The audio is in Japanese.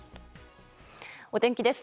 お天気です。